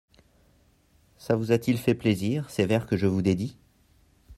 Ça vous a-t-il fait plaisir, ces vers que je vous dédie ?